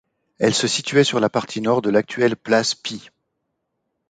Elle se situait sur la partie nord de l'actuelle place Pie.